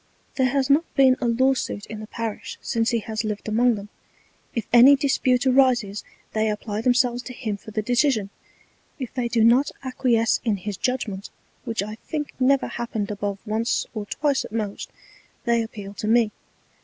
There has not been a Law suit in the Parish since he has liv'd among them: If any Dispute arises they apply themselves to him for the Decision, if they do not acquiesce in his Judgment, which I think never happened above once or twice at most, they appeal to me.